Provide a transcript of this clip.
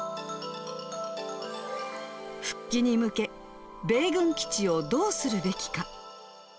復帰に向け、米軍基地をどうするべきか。